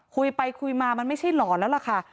คุยไปคุยมามันไม่ใช่หลอนแล้วล่ะค่ะ